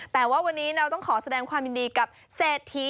แต่ว่าวันนี้เราต้องขอแสดงความยินดีกับเศรษฐี